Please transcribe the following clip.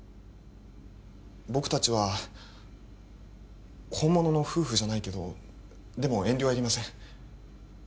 僕達は本物の夫婦じゃないけどでも遠慮はいりません